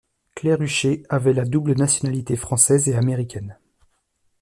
Claire Huchet avait la double nationalité française et américaine.